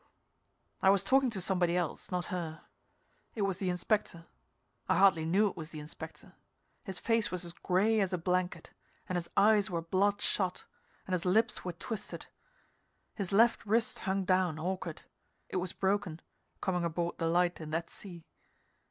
I was talking to somebody else not her. It was the Inspector. I hardly knew it was the Inspector. His face was as gray as a blanket, and his eyes were bloodshot, and his lips were twisted. His left wrist hung down, awkward. It was broken coming aboard the Light in that sea.